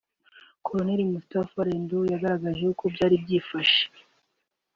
Colonel Moustapha Ledru yagaragaje uko byari byifashe